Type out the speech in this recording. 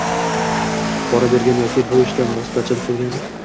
Pora bergan yoki bu ishda vositachilik qilgan